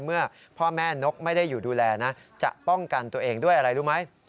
เมื่อพ่อแม่นกไม่ได้อยู่ดูแลนะจะป้องกันตัวเองด้วยอะไรรู้ไหม